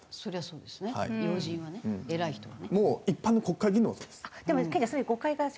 あれは偉い人です。